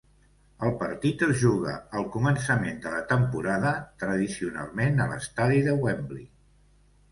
El partit es juga al començament de la temporada, tradicionalment a l'Estadi de Wembley.